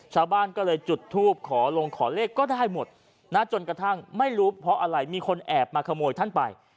ชาวบ้านก็เลยจุดทูปขอลงขอเลขก็ได้หมดนะจนกระทั่งไม่รู้เพราะอะไรมีคนแอบมาขโมยท่านไป